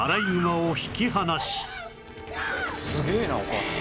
すげえなお母さん。